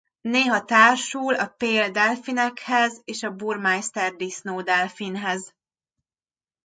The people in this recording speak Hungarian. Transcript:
Néha társul a Peale-delfinekhez és a Burmeister-disznódelfinhez.